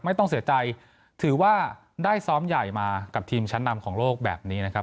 ไม่ต้องเสียใจถือว่าได้ซ้อมใหญ่มากับทีมชั้นนำของโลกแบบนี้นะครับ